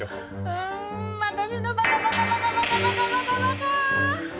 うん私のバカバカバカバカバカバカバカー！